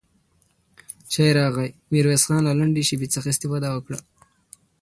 چای راغی، ميرويس خان له لنډې شيبې څخه استفاده وکړه.